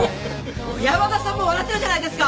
小山田さんも笑ってるじゃないですか！